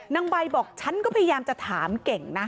นางใบบอกฉันก็พยายามจะถามเก่งนะ